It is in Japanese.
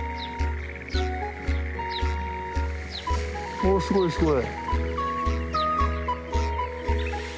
おおすごいすごい！